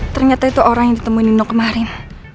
ternyata itu orang yang ditemuin nino kemarin